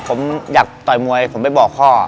ผมอยากต่อยมวยผมไปบอกพ่อ